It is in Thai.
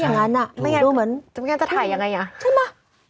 อย่างนั้นอ่ะไม่งั้นดูเหมือนงานจะถ่ายยังไงอ่ะใช่ไหม